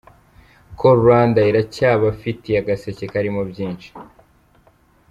Call Rwanda iracyabafitiye agaseke karimo byinshi.